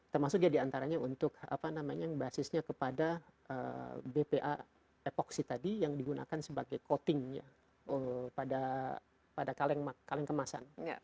termasuk ya diantaranya untuk apa namanya yang basisnya kepada bpa apoxi tadi yang digunakan sebagai coatingnya pada kaleng kemasan